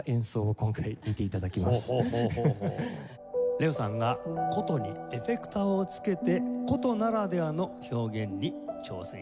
ＬＥＯさんが箏にエフェクターを付けて箏ならではの表現に挑戦致します。